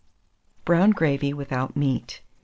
BROWN GRAVY WITHOUT MEAT.